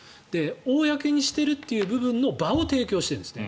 公にしているという部分の場を提供しているんですね。